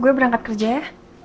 gue berangkat kerja ya